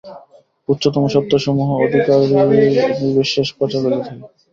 উচ্চতম সত্যসমূহ অধিকারিনির্বিশেষে প্রচার করিতে থাক।